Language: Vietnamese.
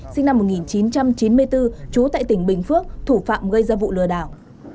sinh năm một nghìn chín trăm chín mươi bốn trú tại tỉnh bình phước thủ phạm gây ra vụ lừa đảo